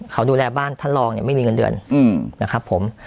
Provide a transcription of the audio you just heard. เขาดูแลบ้านท่านรองเนี่ยไม่มีเงินเดือนนะครับผม